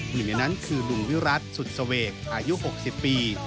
หนึ่งในนั้นคือลุงวิรัติสุดเสวกอายุ๖๐ปี